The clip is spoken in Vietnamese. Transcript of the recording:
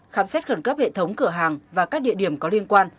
khám xét khẩn cấp hệ thống cửa hàng và các địa điểm có liên quan